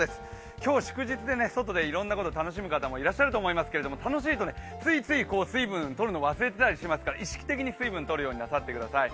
今日、祝日で外でいろんなこと楽しむ方もいらっしゃると思いますが、楽しいとついつい水分を取るのを忘れていたりしますから意識的に水分とるようになさってください。